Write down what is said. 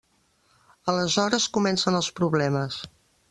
Aleshores comencen els problemes.